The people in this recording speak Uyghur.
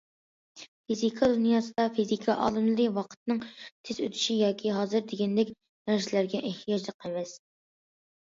فىزىكا دۇنياسىدا، فىزىكا ئالىملىرى ۋاقىتنىڭ تېز ئۆتۈشى ياكى ھازىر دېگەندەك نەرسىلەرگە ئېھتىياجلىق ئەمەس.